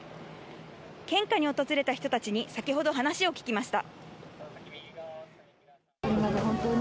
献花に訪れた人たちに先ほど話を聞きました。